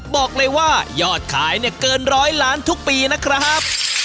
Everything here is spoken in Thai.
บอกเลยว่ายอดขายเนี่ยเกินร้อยล้านทุกปีนะครับ